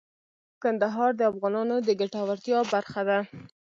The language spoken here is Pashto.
کندهار د افغانانو د ګټورتیا برخه ده.